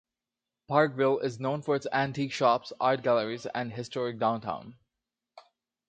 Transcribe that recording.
Parkville is known for its antique shops, art galleries, and historic downtown.